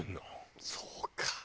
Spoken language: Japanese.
そうか。